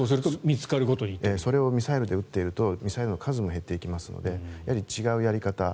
それをミサイルで撃っているとミサイルの数も減っていきますのでやはり違うやり方